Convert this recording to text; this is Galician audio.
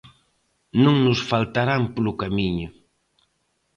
Non nos faltarán polo camiño.